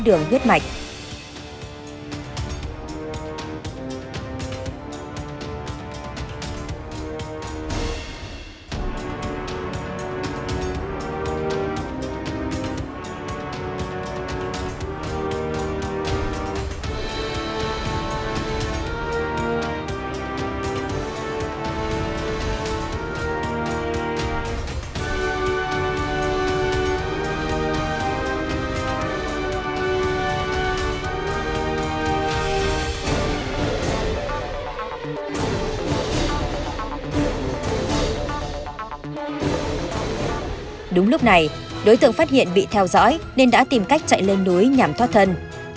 đúng lúc này đối tượng phát hiện bị theo dõi nên đã tìm cách chạy lên núi nhằm thoát thân